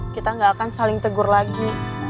kita gak akan saling tegur lagi